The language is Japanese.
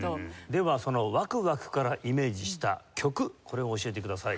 ではその「ワクワク」からイメージした曲これを教えてください。